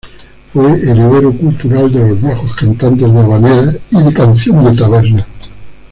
Fue heredero cultural de los viejos cantantes de habaneras y de canción de taberna.